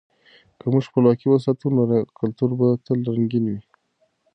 که موږ خپلواکي وساتو، نو کلتور به تل رنګین وي.